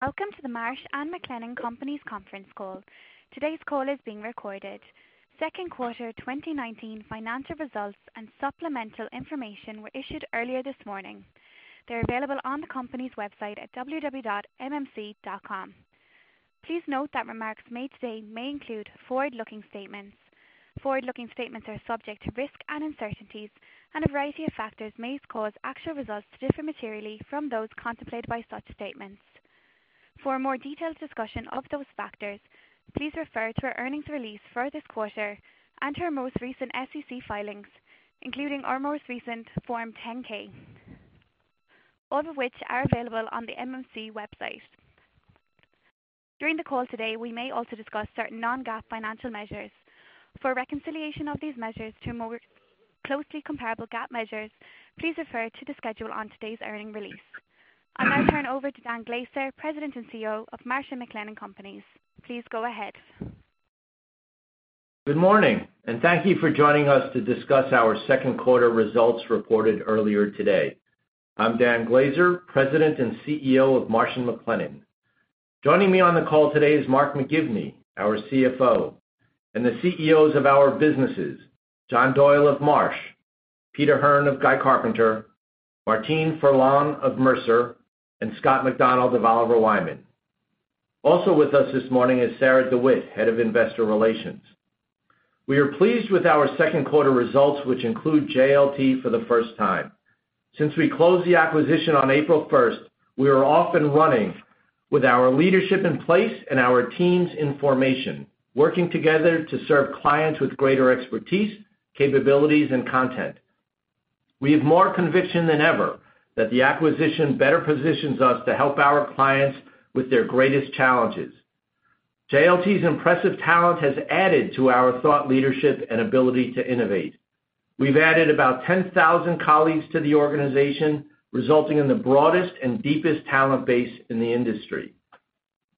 Welcome to the Marsh & McLennan Companies conference call. Today's call is being recorded. Second quarter 2019 financial results and supplemental information were issued earlier this morning. They're available on the company's website at www.mmc.com. Please note that remarks made today may include forward-looking statements. Forward-looking statements are subject to risk and uncertainties, and a variety of factors may cause actual results to differ materially from those contemplated by such statements. For a more detailed discussion of those factors, please refer to our earnings release for this quarter and our most recent SEC filings, including our most recent Form 10-K, all of which are available on the MMC website. During the call today, we may also discuss certain non-GAAP financial measures. For a reconciliation of these measures to more closely comparable GAAP measures, please refer to the schedule on today's earnings release. I'll now turn over to Dan Glaser, President and CEO of Marsh & McLennan Companies. Please go ahead. Good morning. Thank you for joining us to discuss our second quarter results reported earlier today. I'm Dan Glaser, President and CEO of Marsh & McLennan. Joining me on the call today is Mark McGivney, our CFO, and the CEOs of our businesses, John Doyle of Marsh, Peter Hearn of Guy Carpenter, Martine Ferland of Mercer, and Scott McDonald of Oliver Wyman. Also with us this morning is Sarah DeWitt, Head of Investor Relations. We are pleased with our second quarter results, which include JLT for the first time. Since we closed the acquisition on April 1st, we are off and running with our leadership in place and our teams in formation, working together to serve clients with greater expertise, capabilities, and content. We have more conviction than ever that the acquisition better positions us to help our clients with their greatest challenges. JLT's impressive talent has added to our thought leadership and ability to innovate. We've added about 10,000 colleagues to the organization, resulting in the broadest and deepest talent base in the industry.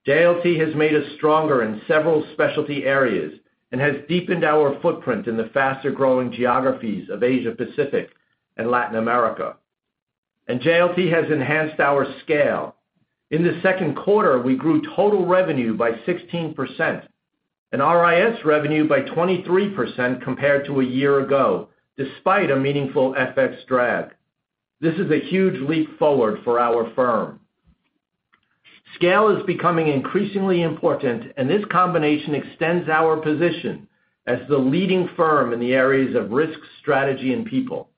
JLT has made us stronger in several specialty areas and has deepened our footprint in the faster-growing geographies of Asia-Pacific and Latin America. JLT has enhanced our scale. In the second quarter, we grew total revenue by 16%, and RIS revenue by 23% compared to a year ago, despite a meaningful FX drag. This is a huge leap forward for our firm. Scale is becoming increasingly important, and this combination extends our position as the leading firm in the areas of risk, strategy, and people.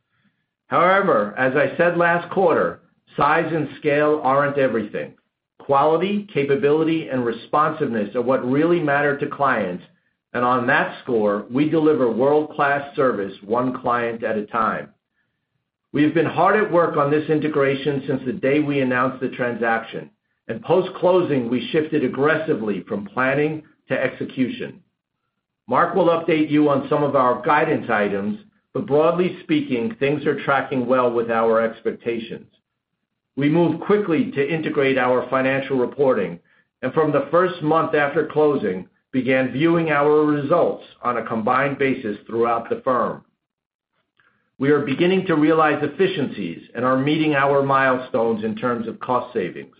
However, as I said last quarter, size and scale aren't everything. Quality, capability, and responsiveness are what really matter to clients, and on that score, we deliver world-class service one client at a time. We have been hard at work on this integration since the day we announced the transaction, and post-closing, we shifted aggressively from planning to execution. Mark McGivney will update you on some of our guidance items, but broadly speaking, things are tracking well with our expectations. We moved quickly to integrate our financial reporting, and from the first month after closing, began viewing our results on a combined basis throughout the firm. We are beginning to realize efficiencies and are meeting our milestones in terms of cost savings.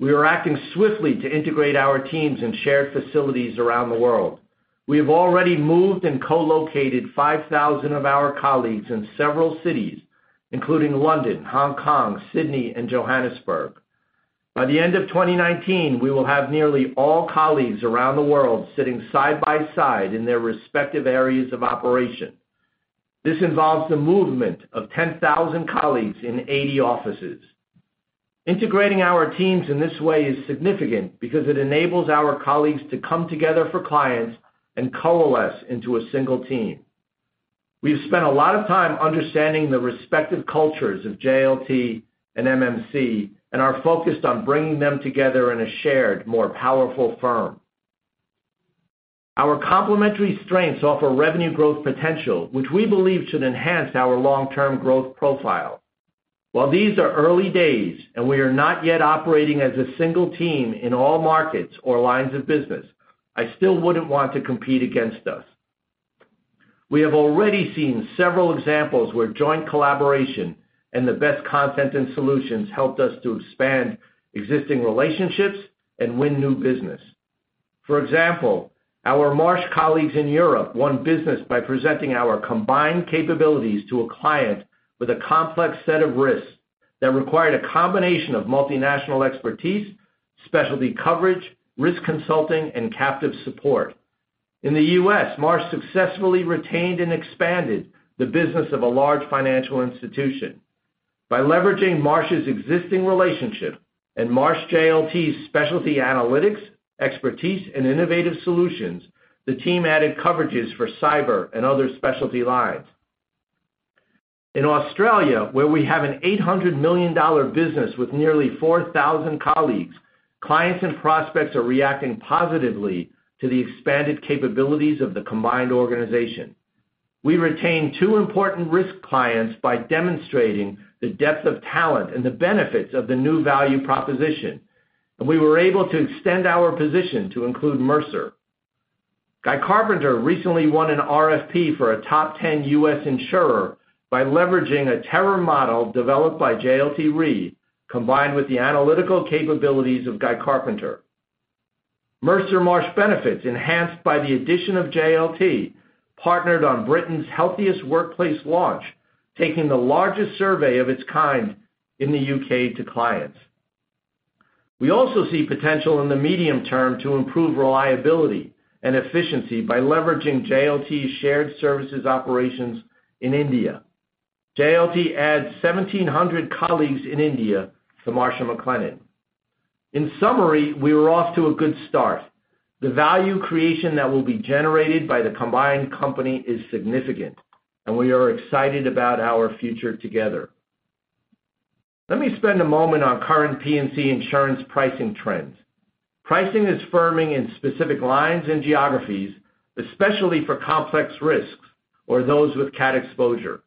We are acting swiftly to integrate our teams and shared facilities around the world. We have already moved and co-located 5,000 of our colleagues in several cities, including London, Hong Kong, Sydney, and Johannesburg. By the end of 2019, we will have nearly all colleagues around the world sitting side by side in their respective areas of operation. This involves the movement of 10,000 colleagues in 80 offices. Integrating our teams in this way is significant because it enables our colleagues to come together for clients and coalesce into a single team. We've spent a lot of time understanding the respective cultures of JLT and MMC and are focused on bringing them together in a shared, more powerful firm. Our complementary strengths offer revenue growth potential, which we believe should enhance our long-term growth profile. While these are early days and we are not yet operating as a single team in all markets or lines of business, I still wouldn't want to compete against us. We have already seen several examples where joint collaboration and the best content and solutions helped us to expand existing relationships and win new business. For example, our Marsh colleagues in Europe won business by presenting our combined capabilities to a client with a complex set of risks that required a combination of multinational expertise, specialty coverage, risk consulting, and captive support. In the U.S., Marsh successfully retained and expanded the business of a large financial institution. By leveraging Marsh's existing relationship and Marsh JLT's specialty analytics, expertise, and innovative solutions, the team added coverages for cyber and other specialty lines. In Australia, where we have an $800 million business with nearly 4,000 colleagues, clients and prospects are reacting positively to the expanded capabilities of the combined organization. We retained two important risk clients by demonstrating the depth of talent and the benefits of the new value proposition, and we were able to extend our position to include Mercer. Guy Carpenter recently won an RFP for a top 10 U.S. insurer by leveraging a terror model developed by JLT Re, combined with the analytical capabilities of Guy Carpenter. Mercer Marsh Benefits, enhanced by the addition of JLT, partnered on Britain's Healthiest Workplace launch, taking the largest survey of its kind in the U.K. to clients. We also see potential in the medium term to improve reliability and efficiency by leveraging JLT's shared services operations in India. JLT adds 1,700 colleagues in India to Marsh & McLennan. In summary, we are off to a good start. The value creation that will be generated by the combined company is significant, and we are excited about our future together. Let me spend a moment on current P&C insurance pricing trends. Pricing is firming in specific lines and geographies, especially for complex risks or those with CAT exposure.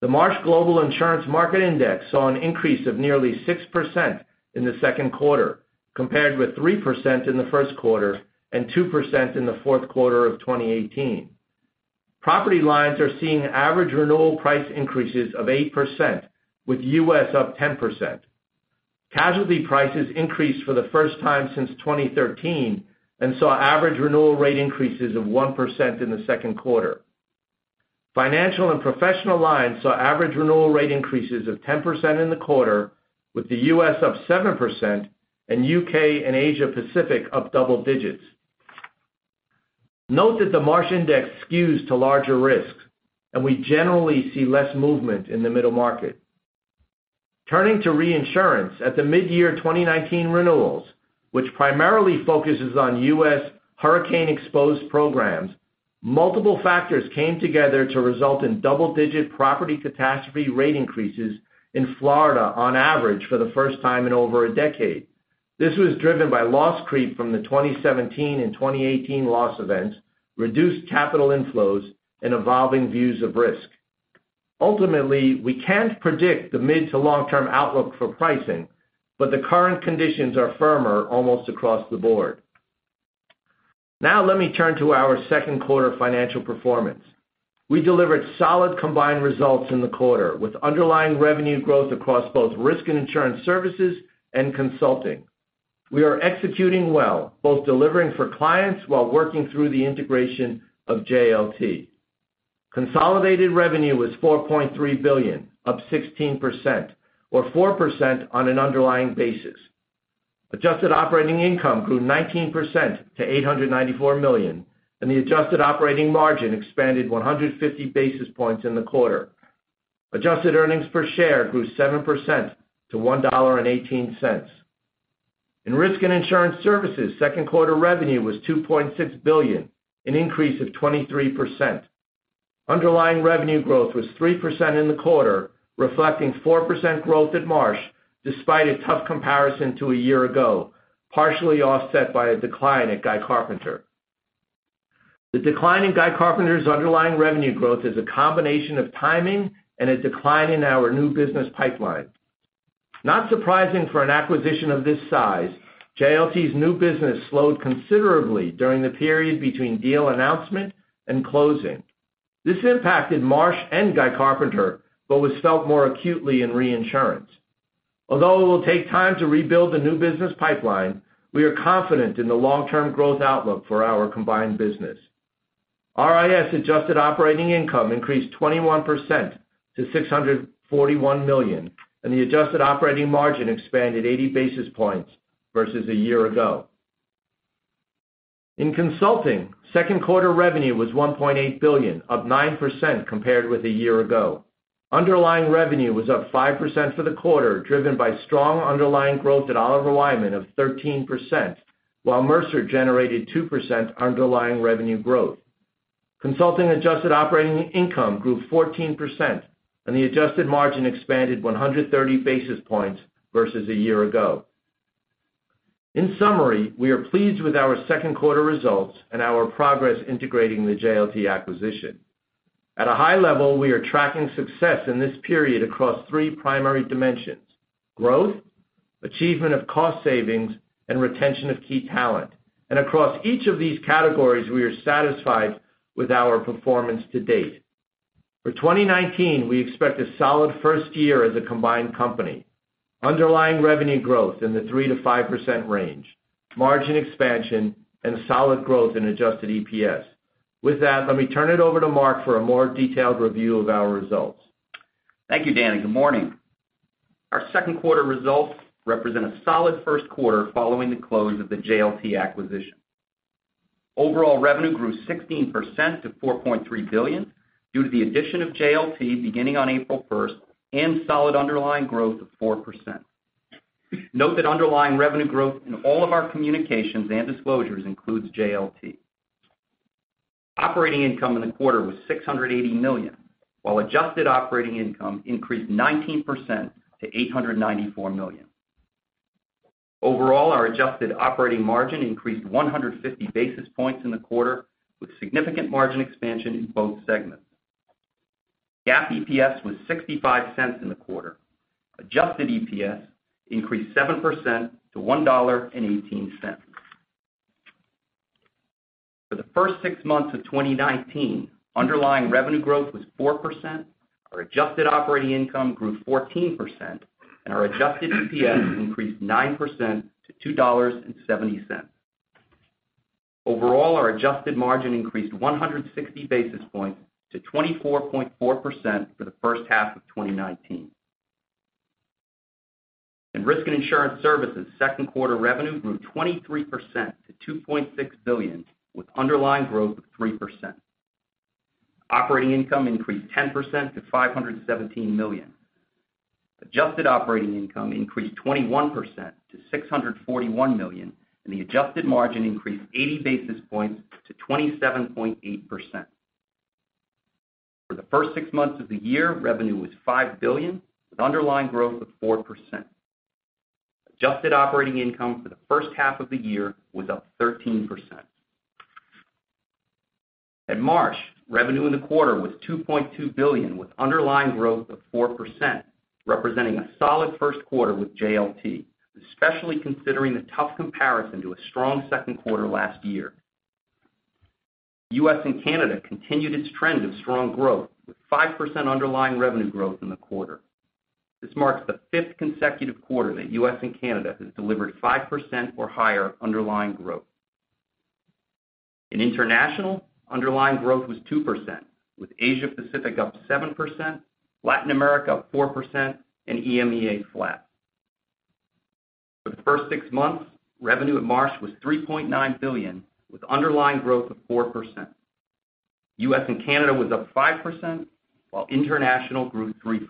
The Marsh Global Insurance Market Index saw an increase of nearly 6% in the second quarter, compared with 3% in the first quarter and 2% in the fourth quarter of 2018. Property lines are seeing average renewal price increases of 8%, with U.S. up 10%. Casualty prices increased for the first time since 2013 and saw average renewal rate increases of 1% in the second quarter. Financial and professional lines saw average renewal rate increases of 10% in the quarter, with the U.S. up 7% and U.K. and Asia Pacific up double digits. Note that the Marsh index skews to larger risks, and we generally see less movement in the middle market. Turning to reinsurance, at the mid-year 2019 renewals, which primarily focuses on U.S. hurricane-exposed programs, multiple factors came together to result in double-digit property catastrophe rate increases in Florida on average for the first time in over a decade. This was driven by loss creep from the 2017 and 2018 loss events, reduced capital inflows, and evolving views of risk. Ultimately, we can't predict the mid- to long-term outlook for pricing, but the current conditions are firmer almost across the board. Let me turn to our second quarter financial performance. We delivered solid combined results in the quarter with underlying revenue growth across both risk and insurance services and consulting. We are executing well, both delivering for clients while working through the integration of JLT. Consolidated revenue was $4.3 billion, up 16%, or 4% on an underlying basis. Adjusted operating income grew 19% to $894 million, and the adjusted operating margin expanded 150 basis points in the quarter. Adjusted earnings per share grew 7% to $1.18. In risk and insurance services, second quarter revenue was $2.6 billion, an increase of 23%. Underlying revenue growth was 3% in the quarter, reflecting 4% growth at Marsh despite a tough comparison to a year ago, partially offset by a decline at Guy Carpenter. The decline in Guy Carpenter's underlying revenue growth is a combination of timing and a decline in our new business pipeline. Not surprising for an acquisition of this size, JLT's new business slowed considerably during the period between deal announcement and closing. This impacted Marsh and Guy Carpenter but was felt more acutely in reinsurance. Although it will take time to rebuild the new business pipeline, we are confident in the long-term growth outlook for our combined business. RIS adjusted operating income increased 21% to $641 million, and the adjusted operating margin expanded 80 basis points versus a year ago. In consulting, second quarter revenue was $1.8 billion, up 9% compared with a year ago. Underlying revenue was up 5% for the quarter, driven by strong underlying growth at Oliver Wyman of 13%, while Mercer generated 2% underlying revenue growth. Consulting adjusted operating income grew 14%, and the adjusted margin expanded 130 basis points versus a year ago. In summary, we are pleased with our second quarter results and our progress integrating the JLT acquisition. At a high level, we are tracking success in this period across three primary dimensions: growth, achievement of cost savings, and retention of key talent. Across each of these categories, we are satisfied with our performance to date. For 2019, we expect a solid first year as a combined company. Underlying revenue growth in the 3%-5% range, margin expansion, and solid growth in adjusted EPS. With that, let me turn it over to Mark for a more detailed review of our results. Thank you, Dan. Good morning. Our second quarter results represent a solid first quarter following the close of the JLT acquisition. Overall revenue grew 16% to $4.3 billion due to the addition of JLT beginning on April 1st and solid underlying growth of 4%. Note that underlying revenue growth in all of our communications and disclosures includes JLT. Operating income in the quarter was $680 million, while adjusted operating income increased 19% to $894 million. Overall, our adjusted operating margin increased 150 basis points in the quarter, with significant margin expansion in both segments. GAAP EPS was $0.65 in the quarter. Adjusted EPS increased 7% to $1.18. For the first six months of 2019, underlying revenue growth was 4%, our adjusted operating income grew 14%, and our adjusted EPS increased 9% to $2.70. Overall, our adjusted margin increased 160 basis points to 24.4% for the first half of 2019. In Risk and Insurance Services, second quarter revenue grew 23% to $2.6 billion with underlying growth of 3%. Operating income increased 10% to $517 million. Adjusted operating income increased 21% to $641 million. The adjusted margin increased 80 basis points to 27.8%. For the first six months of the year, revenue was $5 billion with underlying growth of 4%. Adjusted operating income for the first half of the year was up 13%. At Marsh, revenue in the quarter was $2.2 billion with underlying growth of 4%, representing a solid first quarter with JLT, especially considering the tough comparison to a strong second quarter last year. U.S. and Canada continued its trend of strong growth, with 5% underlying revenue growth in the quarter. This marks the fifth consecutive quarter that U.S. and Canada has delivered 5% or higher underlying growth. In international, underlying growth was 2%, with Asia Pacific up 7%, Latin America up 4%, and EMEA flat. For the first six months, revenue at Marsh was $3.9 billion, with underlying growth of 4%. U.S. and Canada was up 5%, while international grew 3%.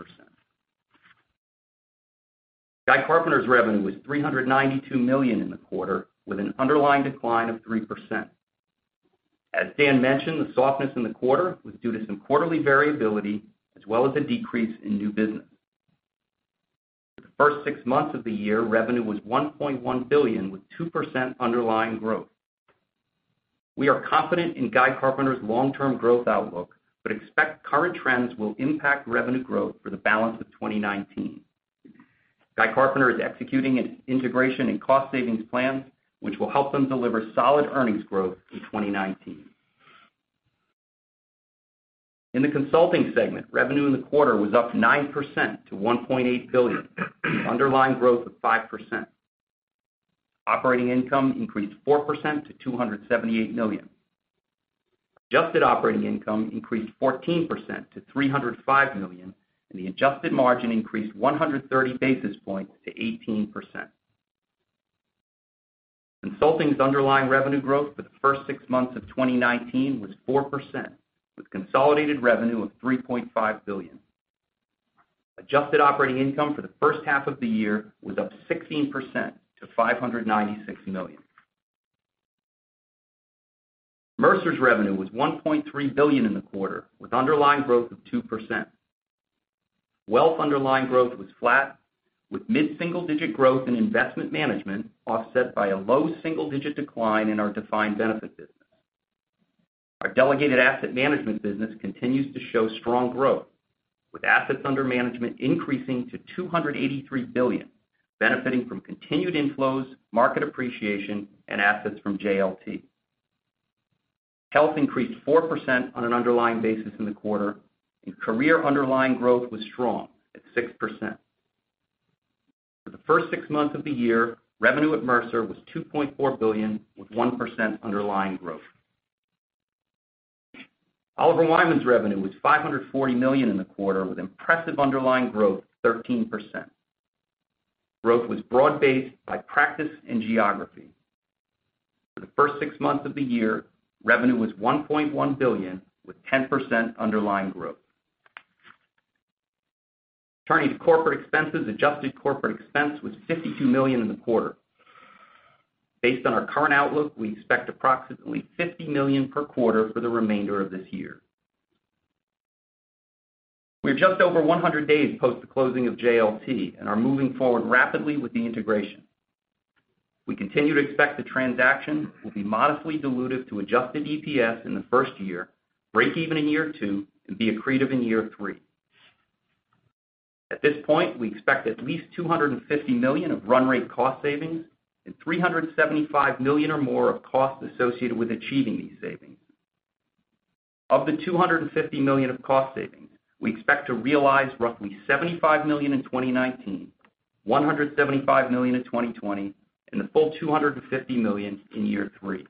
Guy Carpenter's revenue was $392 million in the quarter, with an underlying decline of 3%. As Dan mentioned, the softness in the quarter was due to some quarterly variability, as well as a decrease in new business. For the first six months of the year, revenue was $1.1 billion, with 2% underlying growth. We are confident in Guy Carpenter's long-term growth outlook. Expect current trends will impact revenue growth for the balance of 2019. Guy Carpenter is executing its integration and cost savings plans, which will help them deliver solid earnings growth through 2019. In the Consulting segment, revenue in the quarter was up 9% to $1.8 billion, with underlying growth of 5%. Operating income increased 4% to $278 million. Adjusted operating income increased 14% to $305 million, and the adjusted margin increased 130 basis points to 18%. Consulting's underlying revenue growth for the first six months of 2019 was 4%, with consolidated revenue of $3.5 billion. Adjusted operating income for the first half of the year was up 16% to $596 million. Mercer's revenue was $1.3 billion in the quarter, with underlying growth of 2%. Wealth underlying growth was flat, with mid-single-digit growth in investment management offset by a low single-digit decline in our defined benefit business. Our delegated asset management business continues to show strong growth, with assets under management increasing to $283 billion, benefiting from continued inflows, market appreciation, and assets from JLT. Health increased 4% on an underlying basis in the quarter, and Career underlying growth was strong at 6%. For the first six months of the year, revenue at Mercer was $2.4 billion, with 1% underlying growth. Oliver Wyman's revenue was $540 million in the quarter with impressive underlying growth of 13%. Growth was broad-based by practice and geography. For the first six months of the year, revenue was $1.1 billion, with 10% underlying growth. Turning to corporate expenses, adjusted corporate expense was $52 million in the quarter. Based on our current outlook, we expect approximately $50 million per quarter for the remainder of this year. We are just over 100 days post the closing of JLT and are moving forward rapidly with the integration. We continue to expect the transaction will be modestly dilutive to adjusted EPS in the first year, break even in year two, and be accretive in year three. At this point, we expect at least $250 million of run rate cost savings and $375 million or more of costs associated with achieving these savings. Of the $250 million of cost savings, we expect to realize roughly $75 million in 2019, $175 million in 2020, and the full $250 million in year three.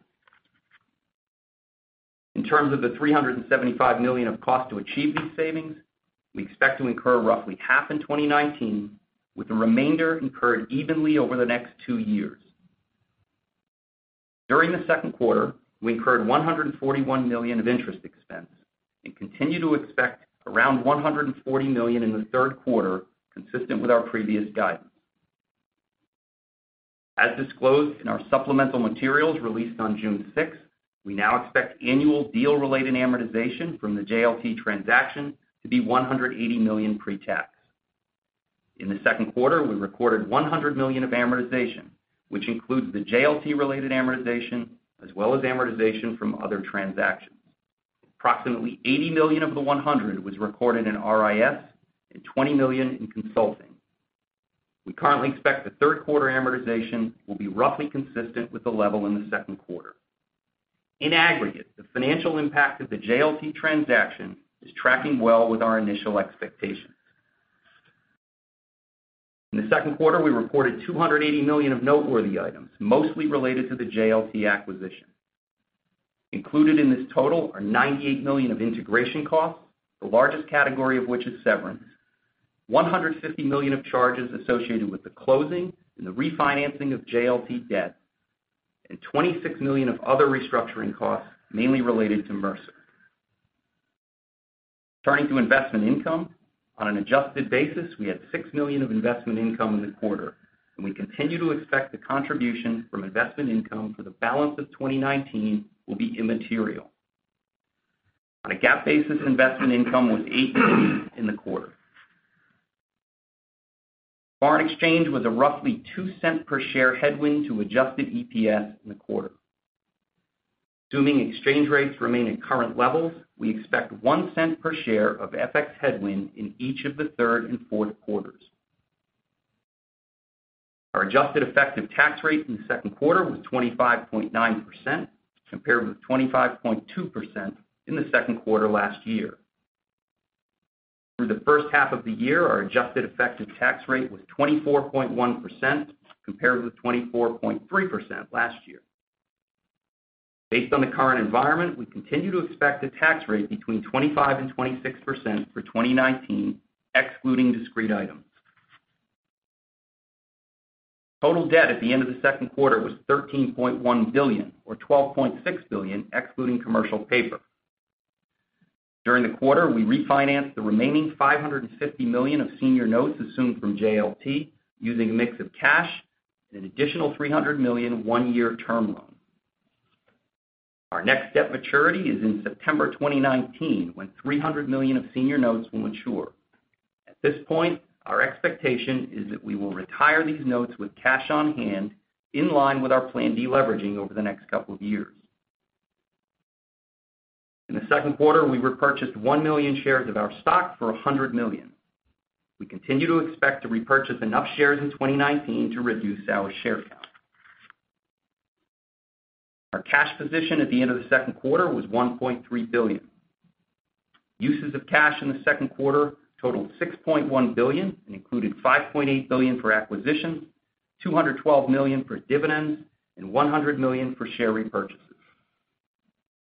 In terms of the $375 million of cost to achieve these savings, we expect to incur roughly half in 2019, with the remainder incurred evenly over the next two years. During the second quarter, we incurred $141 million of interest expense and continue to expect around $140 million in the third quarter, consistent with our previous guidance. As disclosed in our supplemental materials released on June 6th, we now expect annual deal-related amortization from the JLT transaction to be $180 million pre-tax. In the second quarter, we recorded $100 million of amortization, which includes the JLT related amortization as well as amortization from other transactions. Approximately $80 million of the $100 million was recorded in RIS and $20 million in Consulting. We currently expect the third quarter amortization will be roughly consistent with the level in the second quarter. In aggregate, the financial impact of the JLT transaction is tracking well with our initial expectations. In the second quarter, we reported $280 million of noteworthy items, mostly related to the JLT acquisition. Included in this total are $98 million of integration costs, the largest category of which is severance, $150 million of charges associated with the closing and the refinancing of JLT debt, and $26 million of other restructuring costs, mainly related to Mercer. Turning to investment income. On an adjusted basis, we had $6 million of investment income in the quarter, and we continue to expect the contribution from investment income for the balance of 2019 will be immaterial. On a GAAP basis, investment income was $18 million in the quarter. Foreign exchange was a roughly $0.02 per share headwind to adjusted EPS in the quarter. Assuming exchange rates remain at current levels, we expect $0.01 per share of FX headwind in each of the third and fourth quarters. Our adjusted effective tax rate in the second quarter was 25.9%, compared with 25.2% in the second quarter last year. Through the first half of the year, our adjusted effective tax rate was 24.1%, compared with 24.3% last year. Based on the current environment, we continue to expect a tax rate between 25%-26% for 2019, excluding discrete items. Total debt at the end of the second quarter was $13.1 billion, or $12.6 billion excluding commercial paper. During the quarter, we refinanced the remaining $550 million of senior notes assumed from JLT using a mix of cash and an additional $300 million one-year term loan. Our next debt maturity is in September 2019 when $300 million of senior notes will mature. At this point, our expectation is that we will retire these notes with cash on hand, in line with our planned deleveraging over the next couple of years. In the second quarter, we repurchased 1 million shares of our stock for $100 million. We continue to expect to repurchase enough shares in 2019 to reduce our share count. Our cash position at the end of the second quarter was $1.3 billion. Uses of cash in the second quarter totaled $6.1 billion and included $5.8 billion for acquisitions, $212 million for dividends and $100 million for share repurchases.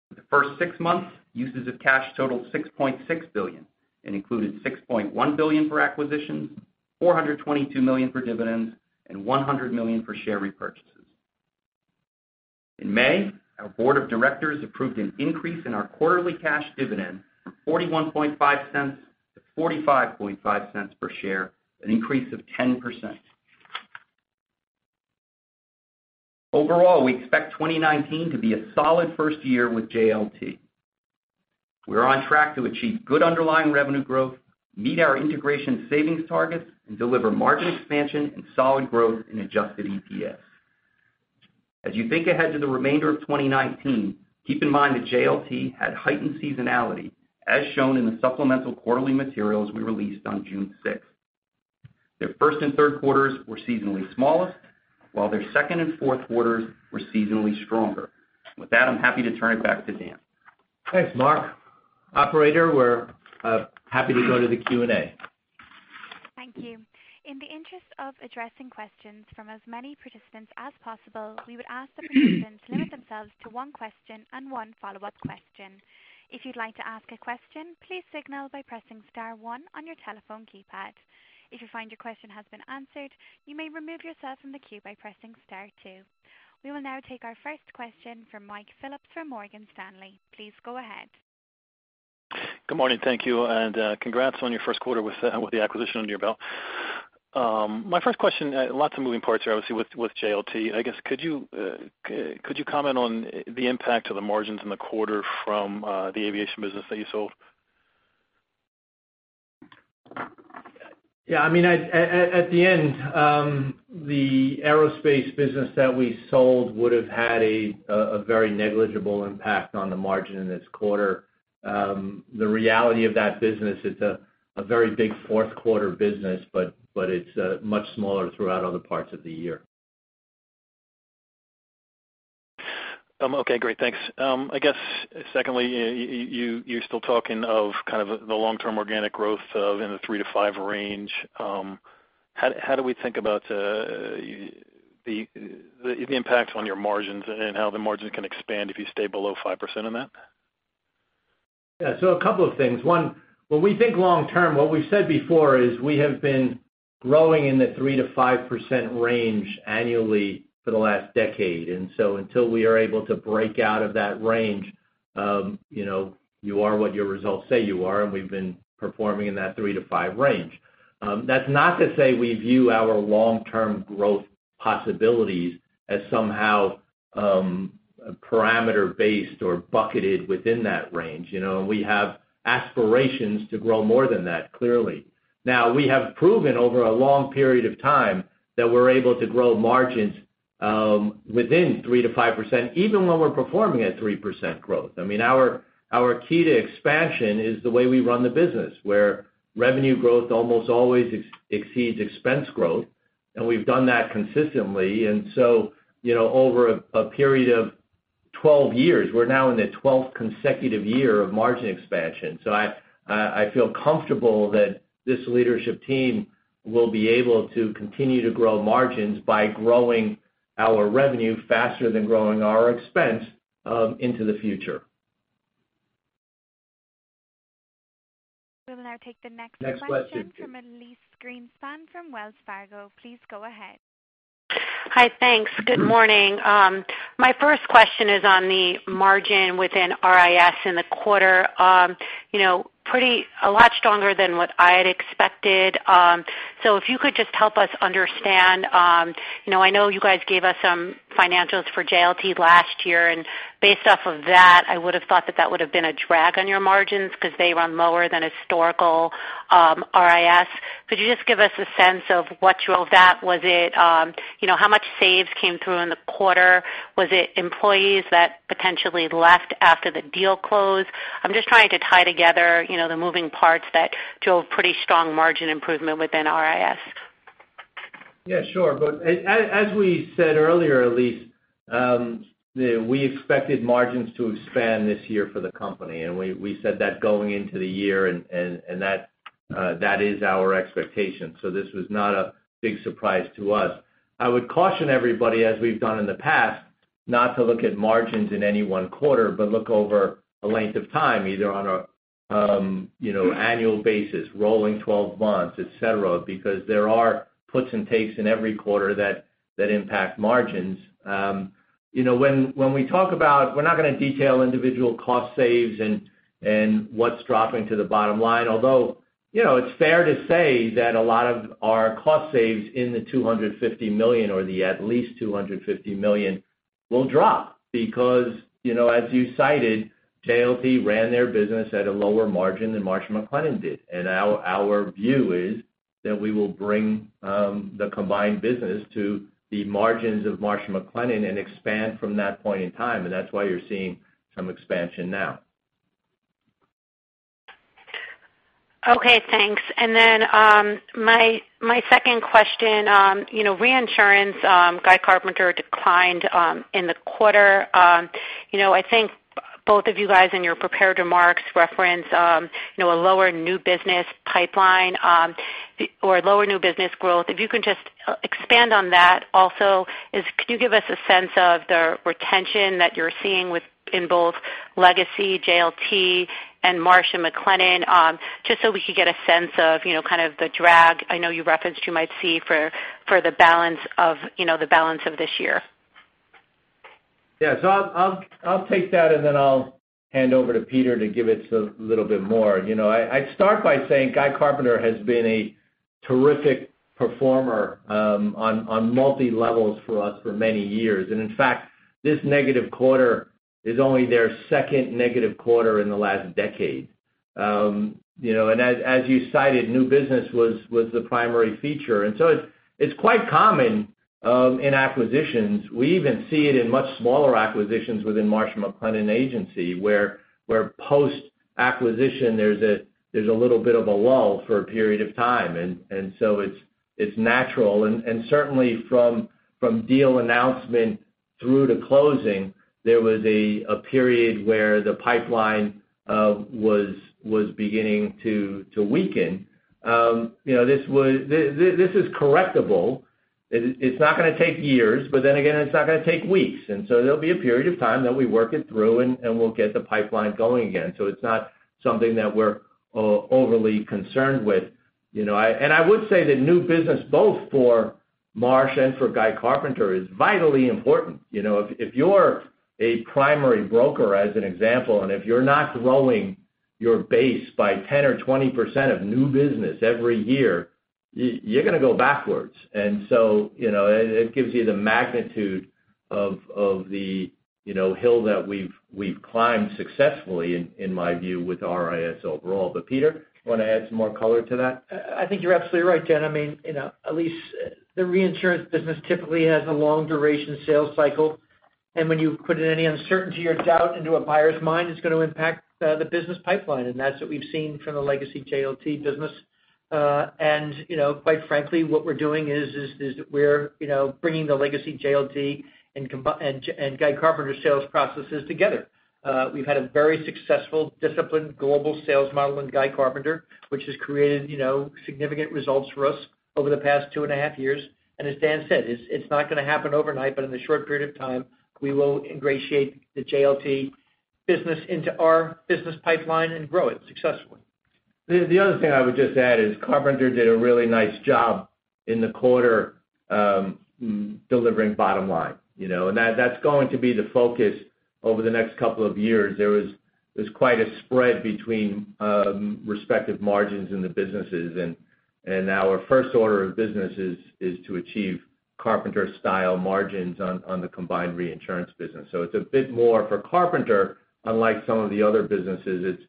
For the first six months, uses of cash totaled $6.6 billion and included $6.1 billion for acquisitions, $422 million for dividends, and $100 million for share repurchases. In May, our board of directors approved an increase in our quarterly cash dividend from $0.415 to $0.455 per share, an increase of 10%. Overall, we expect 2019 to be a solid first year with JLT. We are on track to achieve good underlying revenue growth, meet our integration savings targets and deliver margin expansion and solid growth in adjusted EPS. As you think ahead to the remainder of 2019, keep in mind that JLT had heightened seasonality, as shown in the supplemental quarterly materials we released on June 6th. Their first and third quarters were seasonally smallest, while their second and fourth quarters were seasonally stronger. With that, I'm happy to turn it back to Dan. Thanks, Mark. Operator, we're happy to go to the Q&A. Thank you. In the interest of addressing questions from as many participants as possible, we would ask the participants to limit themselves to one question and one follow-up question. If you'd like to ask a question, please signal by pressing star one on your telephone keypad. If you find your question has been answered, you may remove yourself from the queue by pressing star two. We will now take our first question from Mike Phillips from Morgan Stanley. Please go ahead. Good morning, thank you, and congrats on your first quarter with the acquisition under your belt. My first question, lots of moving parts here, obviously, with JLT. I guess, could you comment on the impact to the margins in the quarter from the aviation business that you sold? Yeah, at the end, the aerospace business that we sold would have had a very negligible impact on the margin in this quarter. The reality of that business, it's a very big fourth quarter business, but it's much smaller throughout other parts of the year. Okay, great. Thanks. I guess secondly, you're still talking of the long-term organic growth in the 3%-5% range. How do we think about the impact on your margins and how the margin can expand if you stay below 5% on that? Yeah, a couple of things. One, when we think long term, what we've said before is we have been growing in the 3%-5% range annually for the last decade. Until we are able to break out of that range, you are what your results say you are, and we've been performing in that 3%-5% range. That's not to say we view our long-term growth possibilities as somehow parameter based or bucketed within that range. We have aspirations to grow more than that, clearly. Now, we have proven over a long period of time that we're able to grow margins within 3%-5%, even when we're performing at 3% growth. Our key to expansion is the way we run the business, where revenue growth almost always exceeds expense growth, and we've done that consistently. Over a period of 12 years, we're now in the 12th consecutive year of margin expansion. I feel comfortable that this leadership team will be able to continue to grow margins by growing our revenue faster than growing our expense into the future. We will now take the next question- Next question from Elyse Greenspan from Wells Fargo. Please go ahead. Hi. Thanks. Good morning. My first question is on the margin within RIS in the quarter. A lot stronger than what I had expected. If you could just help us understand, I know you guys gave us some financials for JLT last year, and based off of that, I would have thought that that would have been a drag on your margins because they run lower than historical RIS. Could you just give us a sense of what drove that? How much saves came through in the quarter? Was it employees that potentially left after the deal closed? I'm just trying to tie together the moving parts that drove pretty strong margin improvement within RIS. Yeah, sure. As we said earlier, Elyse, we expected margins to expand this year for the company, and we said that going into the year, and that is our expectation. This was not a big surprise to us. I would caution everybody, as we've done in the past, not to look at margins in any one quarter, but look over a length of time, either on an annual basis, rolling 12 months, et cetera, because there are puts and takes in every quarter that impact margins. When we talk about we're not going to detail individual cost saves and what's dropping to the bottom line. Although, it's fair to say that a lot of our cost saves in the $250 million or the at least $250 million will drop because, as you cited, JLT ran their business at a lower margin than Marsh & McLennan did. Our view is that we will bring the combined business to the margins of Marsh & McLennan and expand from that point in time, and that's why you're seeing some expansion now. Okay, thanks. My second question, reinsurance, Guy Carpenter declined in the quarter. I think both of you guys, in your prepared remarks, referenced a lower new business pipeline or lower new business growth. If you can just expand on that. Also, could you give us a sense of the retention that you're seeing in both legacy JLT and Marsh & McLennan, just so we could get a sense of kind of the drag I know you referenced you might see for the balance of this year? I'll take that, and then I'll hand over to Peter to give it a little bit more. I'd start by saying Guy Carpenter has been a terrific performer on multi-levels for us for many years. In fact, this negative quarter is only their second negative quarter in the last decade. As you cited, new business was the primary feature. It's quite common in acquisitions. We even see it in much smaller acquisitions within Marsh McLennan Agency, where post-acquisition, there's a little bit of a lull for a period of time. It's natural. Certainly from deal announcement through to closing, there was a period where the pipeline was beginning to weaken. This is correctable. It's not going to take years, but then again, it's not going to take weeks. There'll be a period of time that we work it through, and we'll get the pipeline going again. It's not something that we're overly concerned with. I would say that new business, both for Marsh and for Guy Carpenter, is vitally important. If you're a primary broker, as an example, if you're not growing your base by 10% or 20% of new business every year, you're going to go backwards. It gives you the magnitude of the hill that we've climbed successfully, in my view, with RIS overall. Peter, you want to add some more color to that? I think you're absolutely right, Dan. Elyse, the reinsurance business typically has a long duration sales cycle. When you put any uncertainty or doubt into a buyer's mind, it's going to impact the business pipeline, and that's what we've seen from the legacy JLT business. Quite frankly, what we're doing is we're bringing the legacy JLT and Guy Carpenter sales processes together. We've had a very successful discipline global sales model in Guy Carpenter, which has created significant results for us over the past two and a half years. As Dan said, it's not going to happen overnight, but in a short period of time, we will ingratiate the JLT business into our business pipeline and grow it successfully. The other thing I would just add is Carpenter did a really nice job in the quarter delivering bottom line. That's going to be the focus over the next couple of years. There's quite a spread between respective margins in the businesses. Our first order of business is to achieve Carpenter-style margins on the combined reinsurance business. It's a bit more for Carpenter, unlike some of the other businesses, it's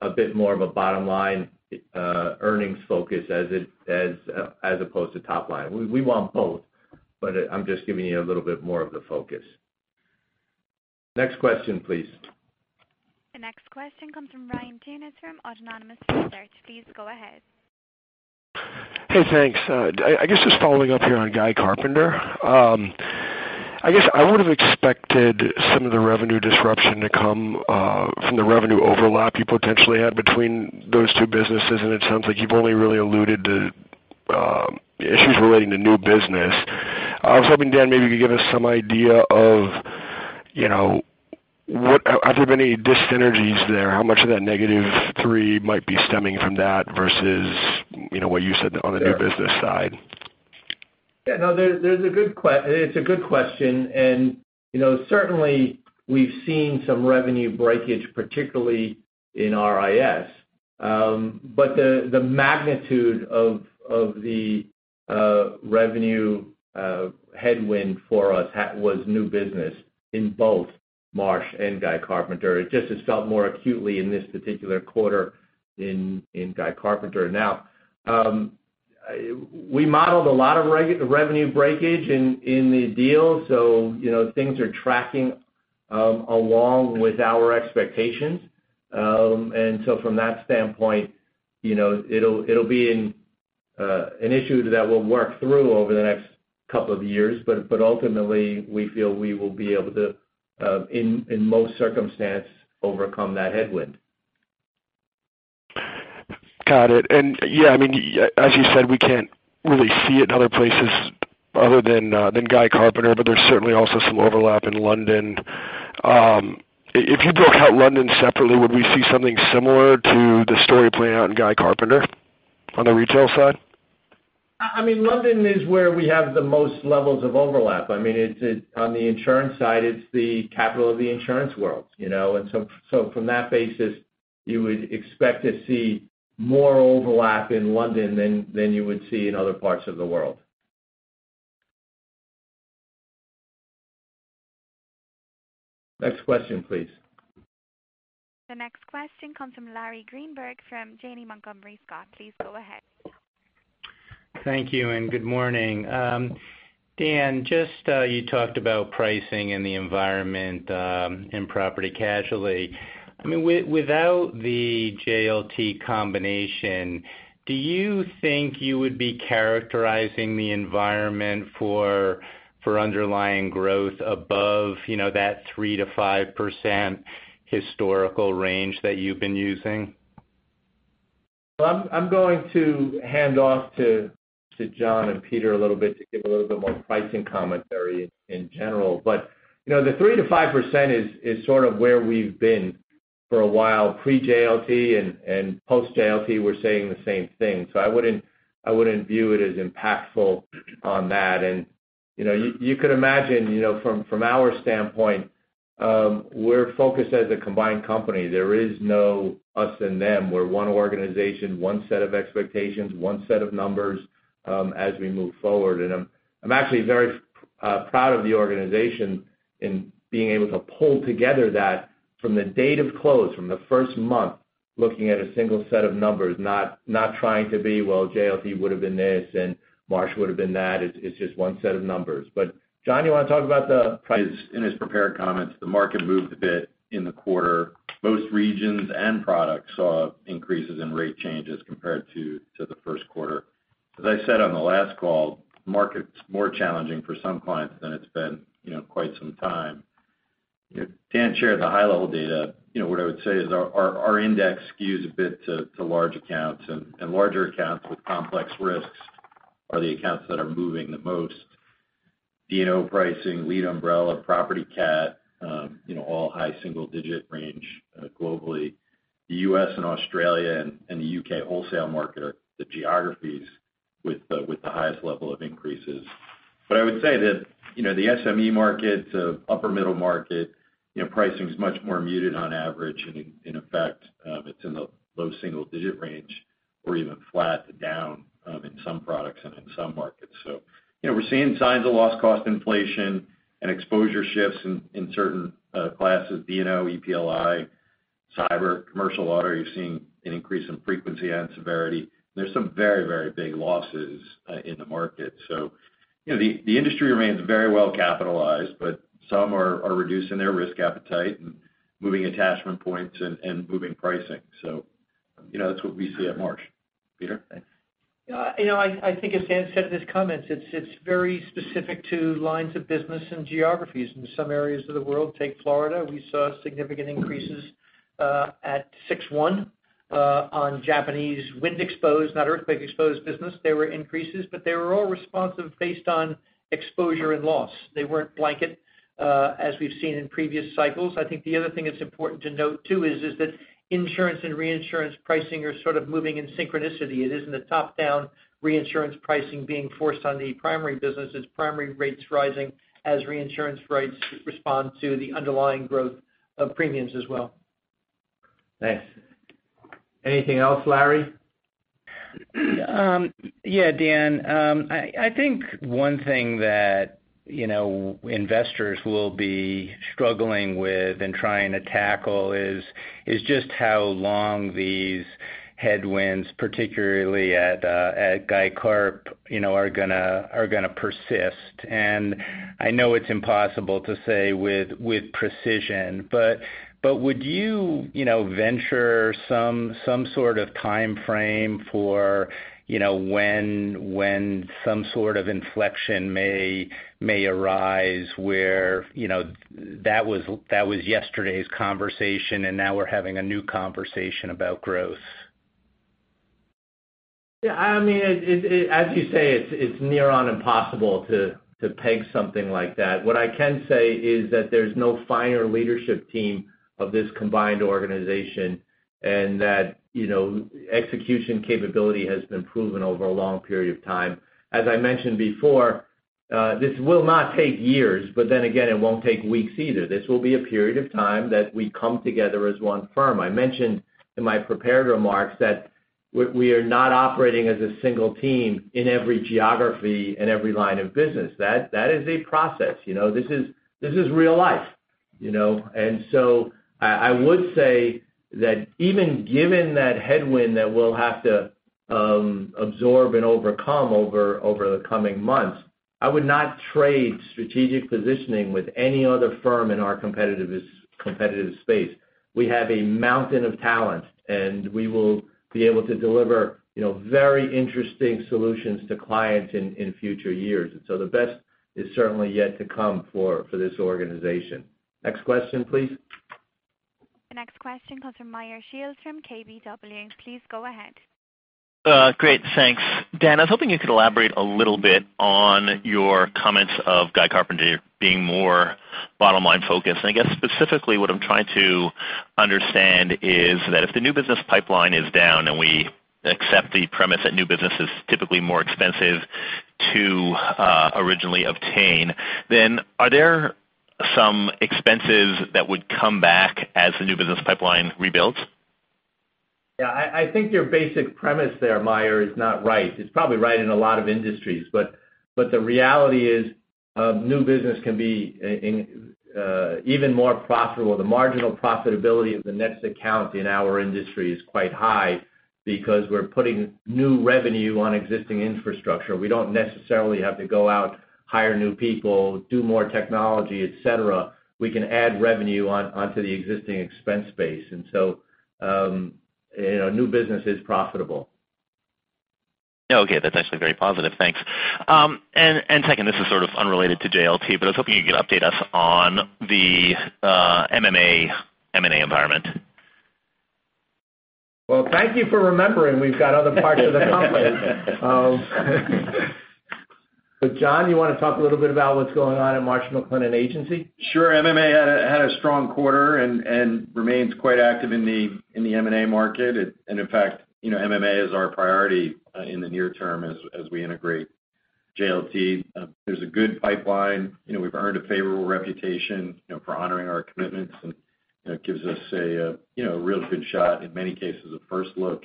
a bit more of a bottom-line earnings focus as opposed to top line. We want both, but I'm just giving you a little bit more of the focus. Next question, please. The next question comes from Brian Foran from Autonomous Research. Please go ahead. Hey, thanks. I guess just following up here on Guy Carpenter. I guess I would have expected some of the revenue disruption to come from the revenue overlap you potentially had between those two businesses. It sounds like you've only really alluded to issues relating to new business. I was hoping, Dan, maybe you could give us some idea of are there any dis-synergies there? How much of that negative three might be stemming from that versus what you said on the new business side? Yeah, it's a good question. Certainly, we've seen some revenue breakage, particularly in RIS. The magnitude of the revenue headwind for us was new business in both Marsh and Guy Carpenter. It just has felt more acutely in this particular quarter in Guy Carpenter. We modeled a lot of revenue breakage in the deal, so things are tracking along with our expectations. From that standpoint, it'll be an issue that we'll work through over the next couple of years, but ultimately, we feel we will be able to, in most circumstance, overcome that headwind. Got it. Yeah, as you said, we can't really see it in other places other than Guy Carpenter, but there's certainly also some overlap in London. If you broke out London separately, would we see something similar to the story playing out in Guy Carpenter on the retail side? London is where we have the most levels of overlap. On the insurance side, it's the capital of the insurance world. From that basis, you would expect to see more overlap in London than you would see in other parts of the world. Next question, please. The next question comes from Larry Greenberg from Janney Montgomery Scott. Please go ahead. Thank you, and good morning. Dan, you talked about pricing and the environment in property casualty. Without the JLT combination, do you think you would be characterizing the environment for underlying growth above that 3%-5% historical range that you've been using? I'm going to hand off to John and Peter a little bit to give a little bit more pricing commentary in general. The 3%-5% is sort of where we've been for a while. Pre-JLT and post-JLT, we're saying the same thing. I wouldn't view it as impactful on that. You could imagine from our standpoint, we're focused as a combined company. There is no us and them. We're one organization, one set of expectations, one set of numbers as we move forward. I'm actually very proud of the organization in being able to pull together that from the date of close, from the first month, looking at a single set of numbers, not trying to be, well, JLT would have been this, and Marsh would have been that. It's just one set of numbers. John, you want to talk about the price- In his prepared comments, the market moved a bit in the quarter. Most regions and products saw increases in rate changes compared to the first quarter. As I said on the last call, market's more challenging for some clients than it's been quite some time. Dan shared the high-level data. What I would say is our index skews a bit to large accounts, and larger accounts with complex risks are the accounts that are moving the most. D&O pricing, lead umbrella, property CAT, all high single-digit range globally. The U.S. and Australia and the U.K. wholesale market are the geographies with the highest level of increases. I would say that the SME market to upper middle market, pricing is much more muted on average, and in effect, it's in the low single-digit range or even flat to down in some products and in some markets. We're seeing signs of loss cost inflation and exposure shifts in certain classes, D&O, EPLI, cyber. Commercial auto, you're seeing an increase in frequency and severity. There's some very big losses in the market. The industry remains very well capitalized, but some are reducing their risk appetite and moving attachment points and moving pricing. That's what we see at Marsh. Peter? I think as Dan said in his comments, it's very specific to lines of business and geographies. In some areas of the world, take Florida, we saw significant increases at 6/1 on Japanese wind exposed, not earthquake exposed business. They were all responsive based on exposure and loss. They weren't blanket as we've seen in previous cycles. I think the other thing that's important to note too is that insurance and reinsurance pricing are sort of moving in synchronicity. It isn't a top-down reinsurance pricing being forced on the primary business. It's primary rates rising as reinsurance rates respond to the underlying growth of premiums as well. Thanks. Anything else, Larry? Yeah, Dan. I think one thing that investors will be struggling with and trying to tackle is just how long these headwinds, particularly at Guy Carpenter, are going to persist. I know it's impossible to say with precision, but would you venture some sort of timeframe for when some sort of inflection may arise where that was yesterday's conversation, and now we're having a new conversation about growth? Yeah. As you say, it's near on impossible to peg something like that. What I can say is that there's no finer leadership team of this combined organization, and that execution capability has been proven over a long period of time. As I mentioned before, this will not take years, but then again, it won't take weeks either. This will be a period of time that we come together as one firm. I mentioned in my prepared remarks that we are not operating as a single team in every geography, in every line of business. That is a process. This is real life. I would say that even given that headwind that we'll have to absorb and overcome over the coming months, I would not trade strategic positioning with any other firm in our competitive space. We have a mountain of talent, we will be able to deliver very interesting solutions to clients in future years. The best is certainly yet to come for this organization. Next question, please. The next question comes from Meyer Shields from KBW. Please go ahead. Great, thanks. Dan, I was hoping you could elaborate a little bit on your comments of Guy Carpenter being more bottom-line focused. I guess specifically what I'm trying to understand is that if the new business pipeline is down, we accept the premise that new business is typically more expensive to originally obtain, are there some expenses that would come back as the new business pipeline rebuilds? Yeah, I think your basic premise there, Meyer, is not right. It's probably right in a lot of industries, the reality is new business can be even more profitable. The marginal profitability of the next account in our industry is quite high because we're putting new revenue on existing infrastructure. We don't necessarily have to go out, hire new people, do more technology, et cetera. We can add revenue onto the existing expense base. New business is profitable. That's actually very positive. Thanks. Second, this is sort of unrelated to JLT, but I was hoping you could update us on the M&A environment. Well, thank you for remembering we've got other parts of the company. John, you want to talk a little bit about what's going on in Marsh McLennan Agency? Sure. MMA had a strong quarter and remains quite active in the M&A market. In fact, MMA is our priority in the near term as we integrate JLT. There's a good pipeline. We've earned a favorable reputation for honoring our commitments, and it gives us a real good shot, in many cases, a first look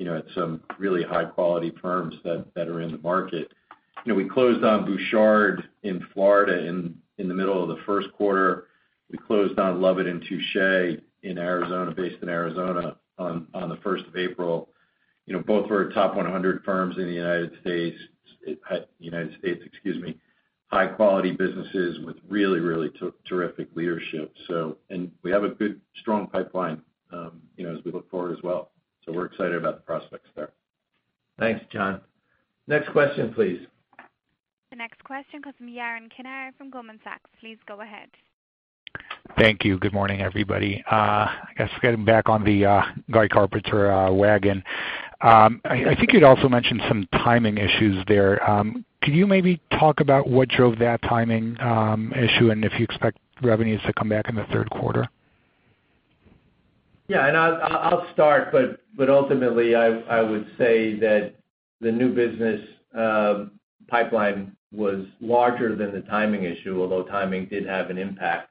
at some really high-quality firms that are in the market. We closed on Bouchard in Florida in the middle of the first quarter. We closed on Lovitt & Touche based in Arizona on the 1st of April. Both were top 100 firms in the U.S. High-quality businesses with really terrific leadership. We have a good, strong pipeline as we look forward as well. We're excited about the prospects there. Thanks, John. Next question please. The next question comes from Yaron Kinar from Goldman Sachs. Please go ahead. Thank you. Good morning, everybody. I guess getting back on the Guy Carpenter wagon. I think you'd also mentioned some timing issues there. Can you maybe talk about what drove that timing issue and if you expect revenues to come back in the third quarter? Yeah. I'll start, but ultimately, I would say that the new business pipeline was larger than the timing issue, although timing did have an impact.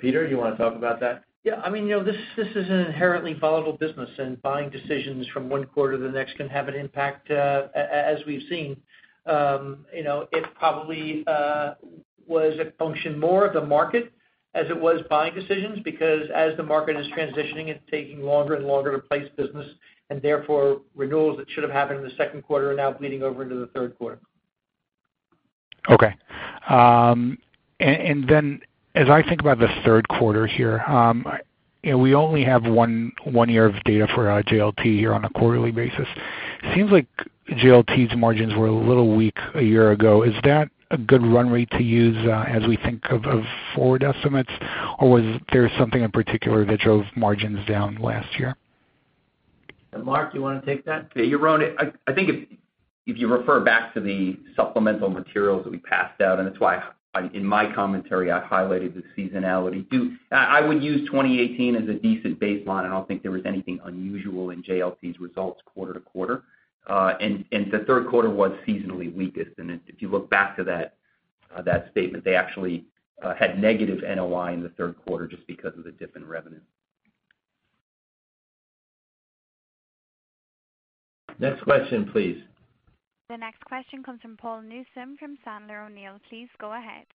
Peter, do you want to talk about that? Yeah. This is an inherently volatile business. Buying decisions from one quarter to the next can have an impact as we've seen. It probably was a function more of the market as it was buying decisions, as the market is transitioning, it's taking longer and longer to place business, therefore renewals that should have happened in the second quarter are now bleeding over into the third quarter. Okay. As I think about the third quarter here, we only have one year of data for JLT here on a quarterly basis. It seems like JLT's margins were a little weak a year ago. Is that a good run rate to use as we think of forward estimates, or was there something in particular that drove margins down last year? Mark, you want to take that? Yeah, Yaron Kinar, I think if you refer back to the supplemental materials that we passed out, that's why in my commentary, I highlighted the seasonality too. I would use 2018 as a decent baseline. I don't think there was anything unusual in JLT's results quarter to quarter. The third quarter was seasonally weakest. If you look back to that That statement, they actually had negative NOI in the third quarter just because of the dip in revenue. Next question, please. The next question comes from Paul Newsome from Sandler O'Neill. Please go ahead.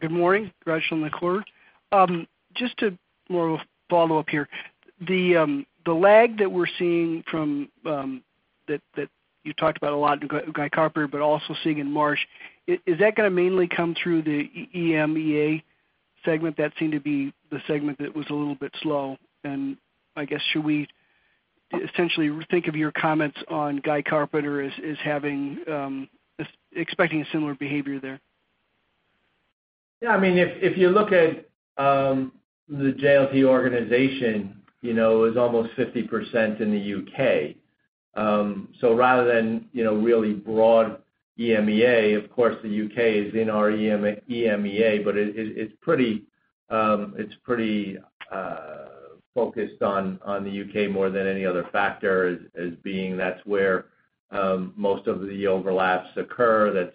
Good morning. [inaudible] Just to more follow up here, the lag that we're seeing that you talked about a lot in Guy Carpenter, but also seeing in Marsh, is that going to mainly come through the EMEA segment? That seemed to be the segment that was a little bit slow, and I guess, should we essentially think of your comments on Guy Carpenter as expecting a similar behavior there? Yeah. If you look at the JLT organization, is almost 50% in the U.K. Rather than really broad EMEA, of course, the U.K. is in our EMEA, but it's pretty focused on the U.K. more than any other factor as being that's where most of the overlaps occur,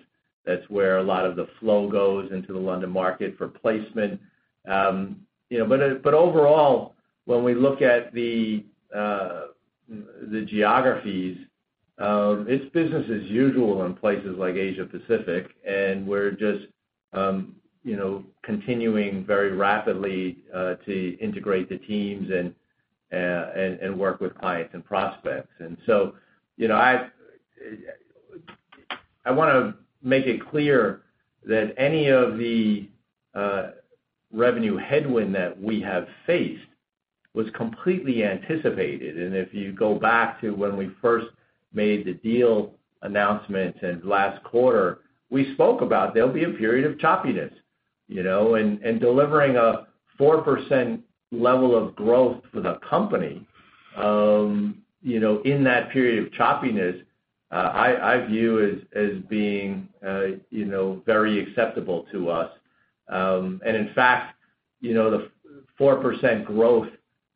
that's where a lot of the flow goes into the London market for placement. Overall, when we look at the geographies, it's business as usual in places like Asia Pacific, and we're just continuing very rapidly to integrate the teams and work with clients and prospects. I want to make it clear that any of the revenue headwind that we have faced was completely anticipated. If you go back to when we first made the deal announcement in the last quarter, we spoke about there'll be a period of choppiness. Delivering a 4% level of growth for the company, in that period of choppiness, I view as being very acceptable to us. In fact, the 4% growth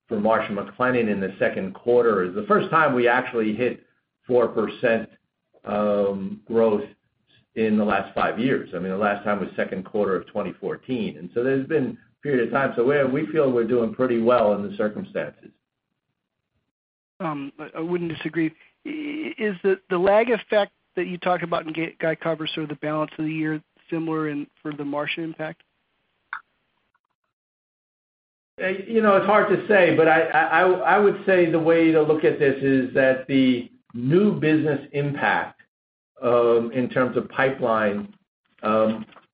for Marsh & McLennan in the second quarter is the first time we actually hit 4% growth in the last five years. The last time was second quarter of 2014. There's been a period of time, so we feel we're doing pretty well in the circumstances. I wouldn't disagree. Is the lag effect that you talk about in Guy Carpenter through the balance of the year similar in for the Marsh impact? It's hard to say, I would say the way to look at this is that the new business impact, in terms of pipeline,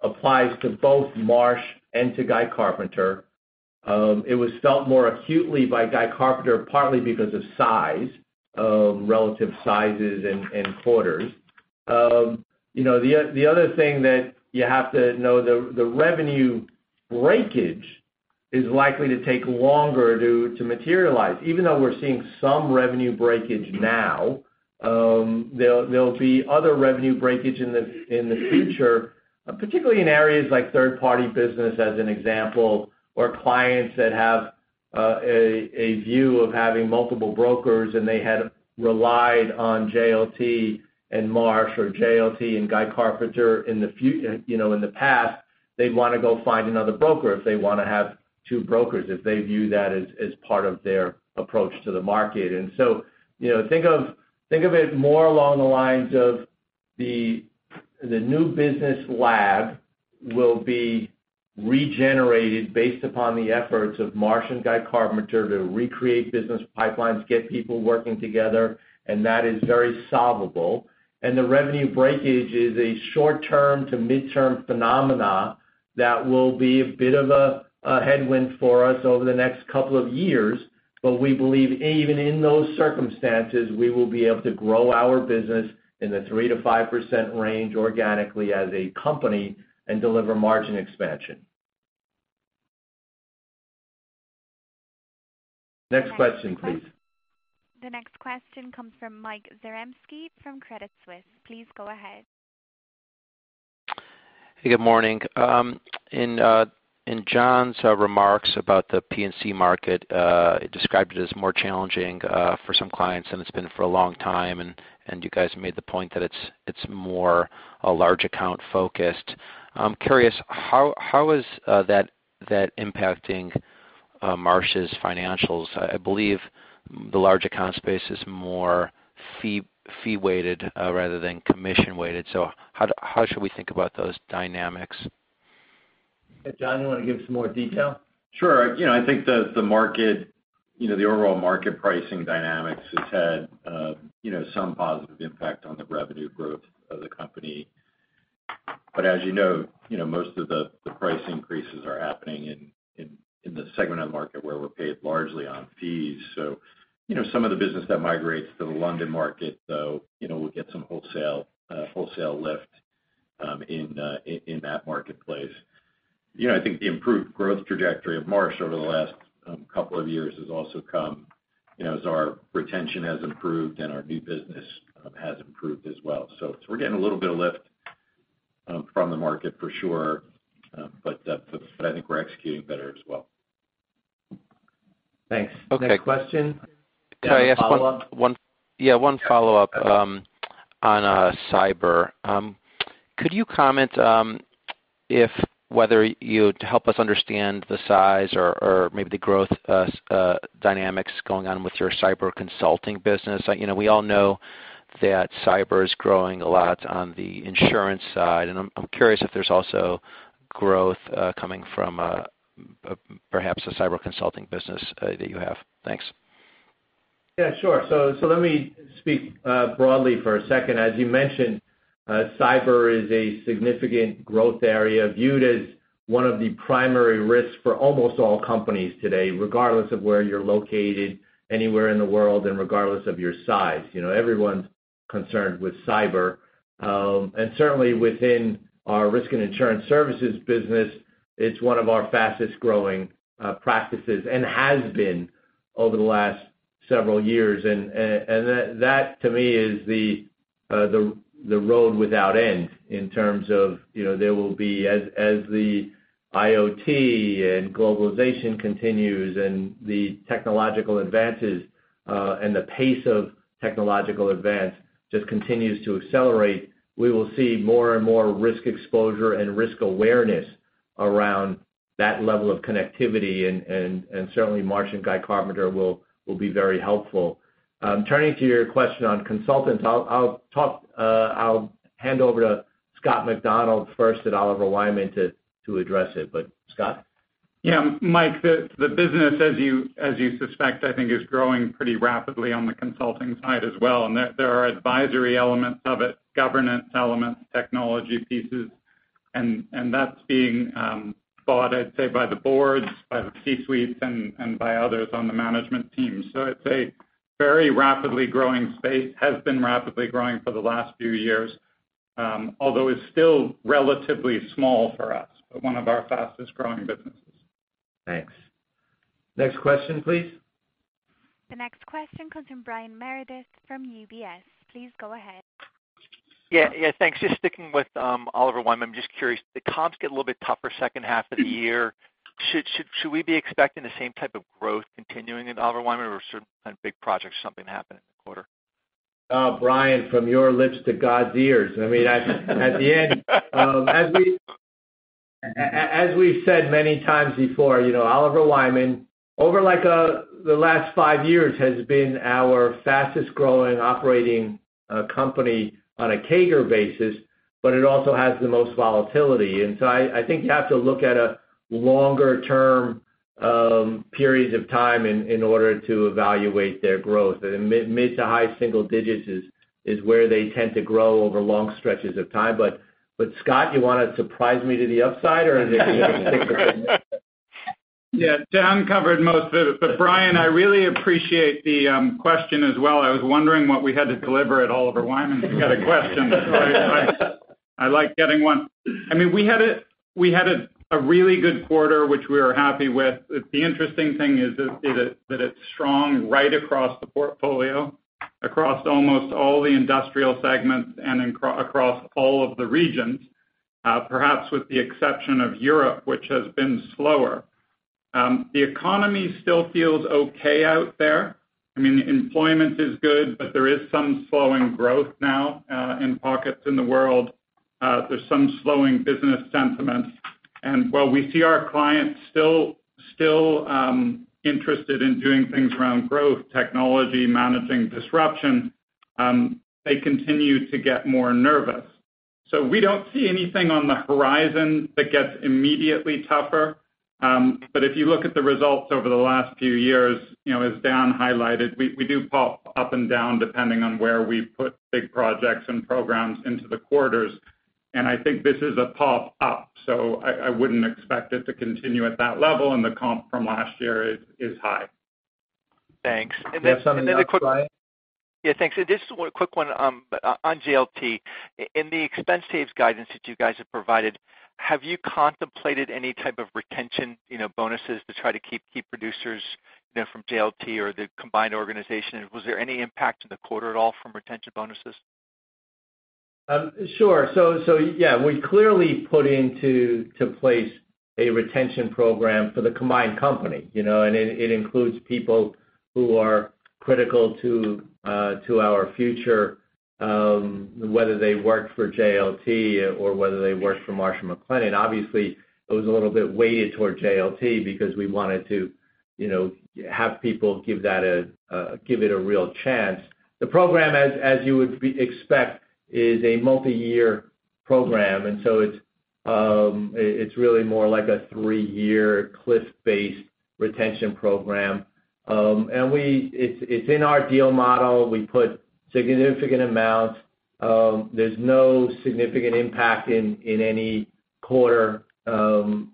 applies to both Marsh and to Guy Carpenter. It was felt more acutely by Guy Carpenter, partly because of size, relative sizes and quarters. The other thing that you have to know, the revenue breakage is likely to take longer to materialize. Even though we're seeing some revenue breakage now, there'll be other revenue breakage in the future, particularly in areas like third-party business, as an example, or clients that have a view of having multiple brokers, and they had relied on JLT and Marsh or JLT and Guy Carpenter in the past. They'd want to go find another broker if they want to have two brokers if they view that as part of their approach to the market. Think of it more along the lines of the new business lag will be regenerated based upon the efforts of Marsh & Guy Carpenter to recreate business pipelines, get people working together, and that is very solvable. The revenue breakage is a short term to midterm phenomena that will be a bit of a headwind for us over the next couple of years. We believe even in those circumstances, we will be able to grow our business in the 3%-5% range organically as a company and deliver margin expansion. Next question, please. The next question comes from Mike Zaremski from Credit Suisse. Please go ahead. Hey, good morning. In John's remarks about the P&C market, it described it as more challenging for some clients than it's been for a long time. You guys made the point that it's more a large account focused. I'm curious, how is that impacting Marsh's financials? I believe the large account space is more fee weighted rather than commission weighted. How should we think about those dynamics? Hey, John, you want to give some more detail? Sure. I think the overall market pricing dynamics has had some positive impact on the revenue growth of the company. As you know, most of the price increases are happening in the segment of the market where we're paid largely on fees. Some of the business that migrates to the London market, though, we'll get some wholesale lift in that marketplace. I think the improved growth trajectory of Marsh over the last couple of years has also come as our retention has improved and our new business has improved as well. We're getting a little bit of lift from the market for sure. I think we're executing better as well. Thanks. Okay. Next question. Can I ask one- You have a follow-up? Yeah, one follow-up on cyber. Could you comment whether you'd help us understand the size or maybe the growth dynamics going on with your cyber consulting business? We all know that cyber is growing a lot on the insurance side, and I'm curious if there's also growth coming from perhaps a cyber consulting business that you have. Thanks. Yeah, sure. Let me speak broadly for a second. As you mentioned, cyber is a significant growth area, viewed as one of the primary risks for almost all companies today, regardless of where you're located anywhere in the world and regardless of your size. Everyone's concerned with cyber. Certainly within our Risk and Insurance Services business, it's one of our fastest-growing practices and has been over the last several years. That, to me is the road without end in terms of there will be, as the IoT and globalization continues and the technological advances and the pace of technological advance just continues to accelerate, we will see more and more risk exposure and risk awareness around that level of connectivity. Certainly Marsh & Guy Carpenter will be very helpful. Turning to your question on consultants, I'll hand over to Scott McDonald first at Oliver Wyman to address it. Scott? Yeah, Mike, the business, as you suspect, I think is growing pretty rapidly on the consulting side as well. There are advisory elements of it, governance elements, technology pieces, and that's being bought, I'd say, by the boards, by the C-suites, and by others on the management team. It's a very rapidly growing space, has been rapidly growing for the last few years. Although it's still relatively small for us, but one of our fastest-growing businesses. Thanks. Next question, please. The next question comes from Brian Meredith from UBS. Please go ahead. Yeah. Thanks. Just sticking with Oliver Wyman, I'm just curious, the comps get a little bit tougher second half of the year. Should we be expecting the same type of growth continuing at Oliver Wyman or certain kind of big projects, something happening in the quarter? Brian, from your lips to God's ears. At the end. As we've said many times before, Oliver Wyman, over the last five years, has been our fastest growing operating company on a CAGR basis, but it also has the most volatility. I think you have to look at longer term periods of time in order to evaluate their growth. Mid to high single digits is where they tend to grow over long stretches of time. Scott, you want to surprise me to the upside, or is it Yeah, Dan covered most of it. Brian, I really appreciate the question as well. I was wondering what we had to deliver at Oliver Wyman. We got a question. I like getting one. We had a really good quarter, which we are happy with. The interesting thing is that it's strong right across the portfolio, across almost all the industrial segments and across all of the regions, perhaps with the exception of Europe, which has been slower. The economy still feels okay out there. Employment is good, but there is some slowing growth now in pockets in the world. There's some slowing business sentiment. While we see our clients still interested in doing things around growth, technology, managing disruption, they continue to get more nervous. We don't see anything on the horizon that gets immediately tougher. If you look at the results over the last few years, as Dan highlighted, we do pop up and down depending on where we put big projects and programs into the quarters, I think this is a pop up, I wouldn't expect it to continue at that level, the comp from last year is high. Thanks. You have something to add, Brian? Thanks. Just a quick one on JLT. In the expense saves guidance that you guys have provided, have you contemplated any type of retention bonuses to try to keep key producers from JLT or the combined organization? Was there any impact in the quarter at all from retention bonuses? Sure. We clearly put into place a retention program for the combined company, and it includes people who are critical to our future, whether they work for JLT or whether they work for Marsh & McLennan. Obviously, it was a little bit weighted towards JLT because we wanted to have people give it a real chance. The program, as you would expect, is a multi-year program, and it's really more like a three-year cliff-based retention program. It's in our deal model. We put significant amounts. There's no significant impact in any quarter since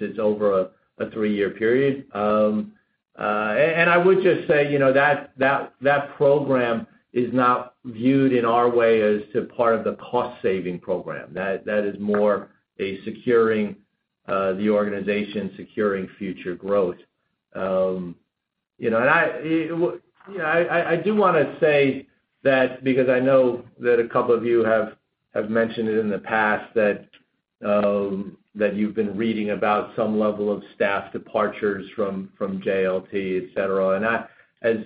it's over a three-year period. I would just say, that program is not viewed in our way as to part of the cost-saving program. That is more a securing the organization, securing future growth. I do want to say that because I know that a couple of you have mentioned it in the past that you've been reading about some level of staff departures from JLT, et cetera. As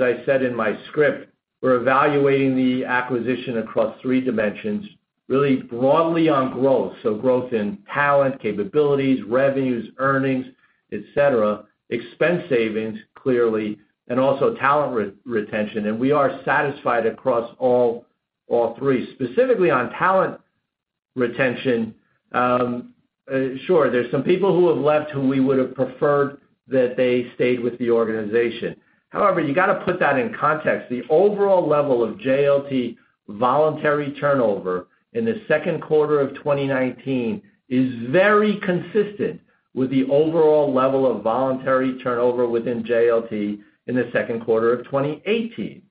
I said in my script, we're evaluating the acquisition across 3 dimensions, really broadly on growth. Growth in talent, capabilities, revenues, earnings, et cetera. Expense savings, clearly, and also talent retention, and we are satisfied across all 3. Specifically on talent retention, sure, there's some people who have left who we would've preferred that they stayed with the organization. However, you got to put that in context. The overall level of JLT voluntary turnover in the second quarter of 2019 is very consistent with the overall level of voluntary turnover within JLT in the second quarter of 2018.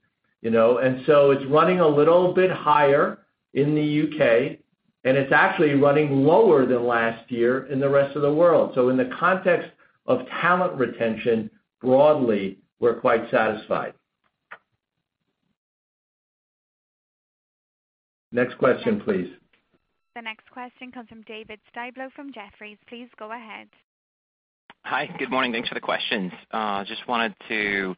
It's running a little bit higher in the U.K., and it's actually running lower than last year in the rest of the world. In the context of talent retention, broadly, we're quite satisfied. Next question, please. The next question comes from David Styblo from Jefferies. Please go ahead. Hi. Good morning. Thanks for the questions. Just wanted to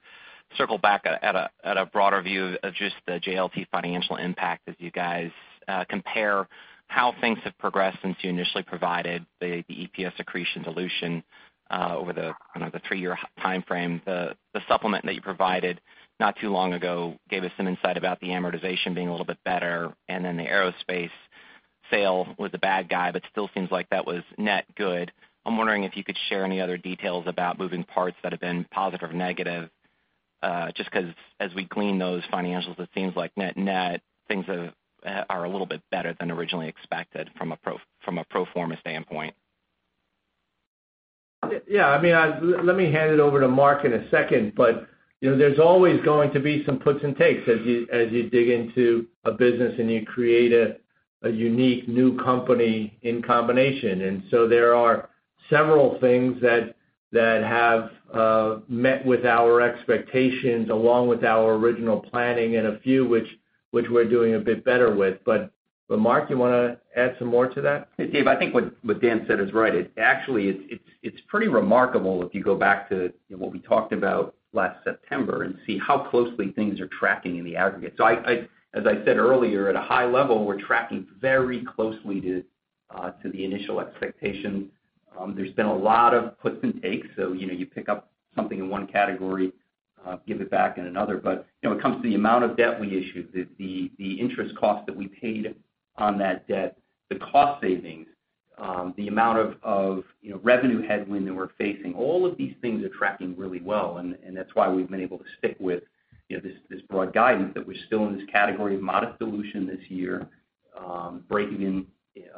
circle back at a broader view of just the JLT financial impact as you guys compare how things have progressed since you initially provided the EPS accretion dilution, over the three-year timeframe. The supplement that you provided not too long ago gave us some insight about the amortization being a little bit better, and then the aerospace sale was a bad guy, but still seems like that was net good. I am wondering if you could share any other details about moving parts that have been positive or negative, just because as we glean those financials, it seems like net-net, things are a little bit better than originally expected from a pro forma standpoint. Let me hand it over to Mark in a second. There's always going to be some puts and takes as you dig into a business and you create a unique new company in combination. There are several things that have met with our expectations, along with our original planning, and a few which we're doing a bit better with. Mark, you want to add some more to that? Dave, I think what Dan said is right. Actually, it's pretty remarkable if you go back to what we talked about last September and see how closely things are tracking in the aggregate. As I said earlier, at a high level, we're tracking very closely to the initial expectations. There's been a lot of puts and takes, so you pick up something in one category, give it back in another. When it comes to the amount of debt we issued, the interest cost that we paid on that debt, the cost savings, the amount of revenue headwind that we're facing, all of these things are tracking really well. That's why we've been able to stick with this broad guidance that we're still in this category of modest dilution this year, breaking even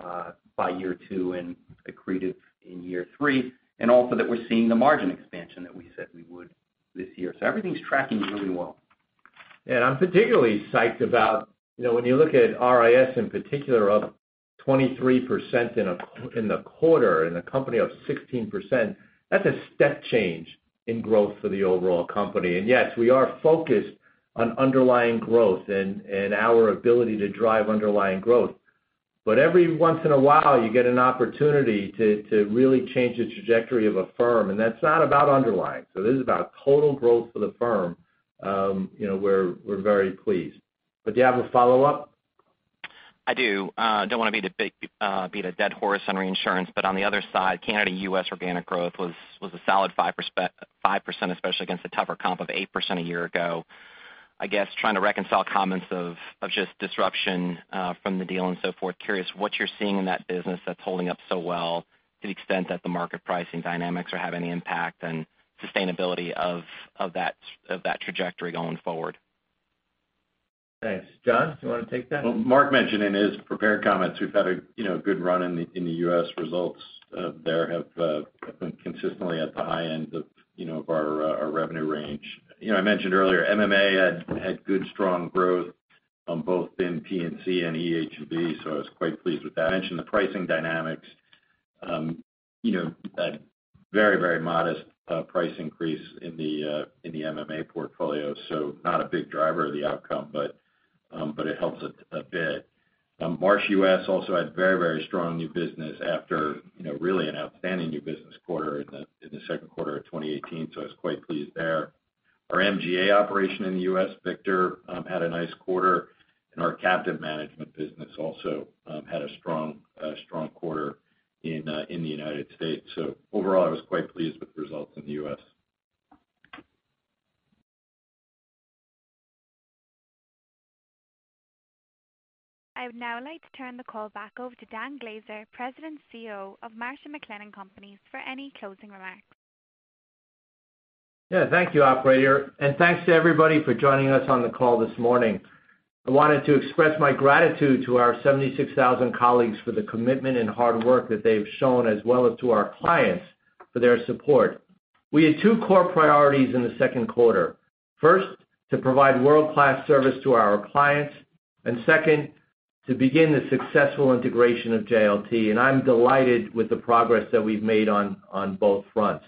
by year two and accretive in year three, and also that we're seeing the margin expansion that we said we would this year. Everything's tracking really well. I'm particularly psyched about when you look at RIS in particular, up 23% in the quarter and the company up 16%. That's a step change in growth for the overall company. Yes, we are focused on underlying growth and our ability to drive underlying growth. Every once in a while, you get an opportunity to really change the trajectory of a firm, and that's not about underlying. This is about total growth for the firm. We're very pleased. Do you have a follow-up? I do. On the other side, Canada, U.S. organic growth was a solid 5%, especially against a tougher comp of 8% a year ago. I guess, trying to reconcile comments of just disruption from the deal and so forth. Curious what you're seeing in that business that's holding up so well to the extent that the market pricing dynamics are having any impact and sustainability of that trajectory going forward. Thanks. John, do you want to take that? Well, Mark mentioned in his prepared comments, we've had a good run in the U.S. results there have been consistently at the high end of our revenue range. I mentioned earlier, MMA had good strong growth on both in P&C and E&HB, so I was quite pleased with that. I mentioned the pricing dynamics. A very modest price increase in the MMA portfolio, so not a big driver of the outcome, but it helps a bit. Marsh U.S. also had very strong new business after really an outstanding new business quarter in the second quarter of 2018, so I was quite pleased there. Our MGA operation in the U.S., Victor, had a nice quarter, and our captive management business also had a strong quarter in the United States. Overall, I was quite pleased with the results in the U.S. I would now like to turn the call back over to Dan Glaser, President and Chief Executive Officer of Marsh & McLennan Companies, for any closing remarks. Yeah. Thank you, operator. Thanks to everybody for joining us on the call this morning. I wanted to express my gratitude to our 76,000 colleagues for the commitment and hard work that they've shown, as well as to our clients for their support. We had two core priorities in the second quarter. First, to provide world-class service to our clients, second, to begin the successful integration of JLT. I'm delighted with the progress that we've made on both fronts.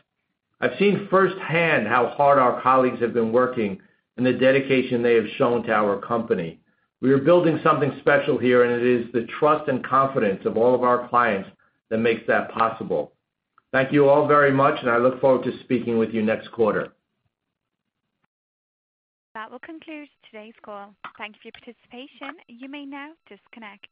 I've seen firsthand how hard our colleagues have been working and the dedication they have shown to our company. We are building something special here. It is the trust and confidence of all of our clients that makes that possible. Thank you all very much. I look forward to speaking with you next quarter. That will conclude today's call. Thank you for your participation. You may now disconnect.